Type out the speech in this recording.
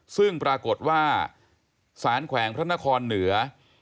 ซึ่งปรากฏว่าสารแขวงพระนครเหนือ